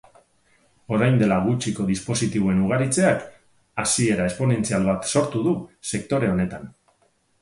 Orain dela gutxiko dispositiboen ugaritzeak haziera esponentzial bat sortu du sektore honetan.